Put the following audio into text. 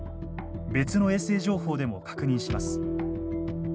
別の衛星情報でも確認します。